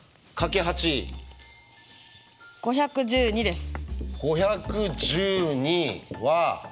５１２です。